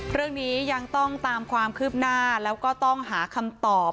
เรื่องนี้ยังต้องตามความคืบหน้าแล้วก็ต้องหาคำตอบ